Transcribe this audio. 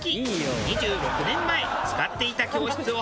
２６年前使っていた教室を拝見。